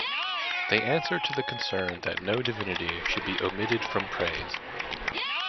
They answer to the concern that no divinity should be omitted from praise.